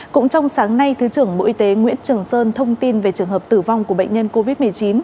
cũng trong sáng nay thứ trưởng bộ y tế nguyễn trường sơn thông tin về trường hợp tử vong của bệnh nhân covid một mươi chín